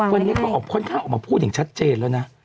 วันนี้เขาออกค่อนข้างออกมาพูดอย่างชัดเจนแล้วนะ